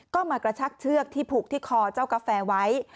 ก็มากระชักเชือกที่ผูกที่คอเจ้ากาแฟไว้